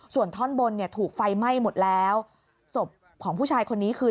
ส่วนท่อนบนเนี่ยถูกไฟไหม้หมดแล้วศพของผู้ชายคนนี้คือ